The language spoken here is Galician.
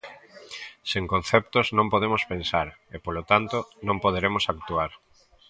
Sen conceptos non podemos pensar e, polo tanto, non poderemos actuar.